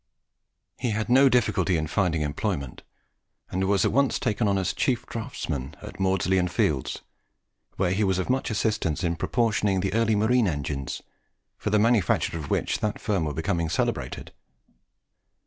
He had no difficulty in finding employment; and was at once taken on as chief draughtsman at Maudslay and Field's where he was of much assistance in proportioning the early marine engines, for the manufacture of which that firm were becoming celebrated.